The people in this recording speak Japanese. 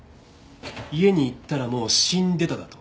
家に行ったらもう死んでただと？